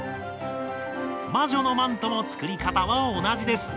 魔女のマントの作り方は同じです。